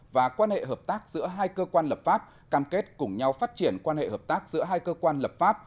và quan hệ hợp tác giữa hai cơ quan lập pháp cam kết cùng nhau phát triển quan hệ hợp tác giữa hai cơ quan lập pháp